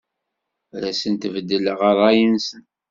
Ad asen-beddleɣ ṛṛay-nsen.